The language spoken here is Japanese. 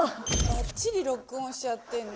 ばっちりロックオンしちゃってんの。